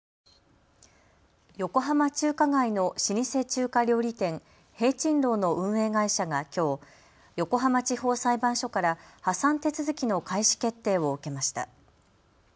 横浜中華街の老舗中華料理店、聘珍樓の運営会社がきょう横浜地方裁判所から破産手続きの開始決定を受けました。